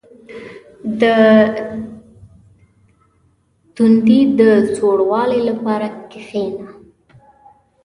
• د تندي د سوړوالي لپاره کښېنه.